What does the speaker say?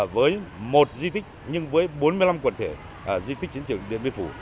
với một di tích nhưng với bốn mươi năm quần thể di tích chiến trường điện biên phủ